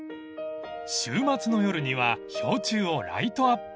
［週末の夜には氷柱をライトアップ］